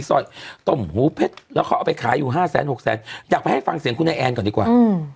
ซอยต้มหูเพชรแล้วเขาเอาไปขายอยู่ห้าแสนหกแสนอยากไปให้ฟังเสียงคุณไอแอนก่อนดีกว่าอืม